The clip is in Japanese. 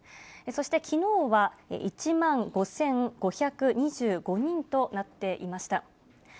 そしてきのうは１万５５２５人となっていました。